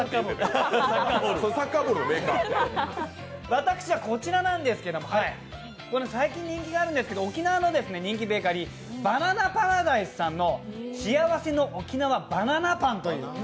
私はこちらなんですけれども、最近人気があるんですけど沖縄の人気ベーカリー、バナナパラダイスさんのしあわせの沖縄バナナパンという。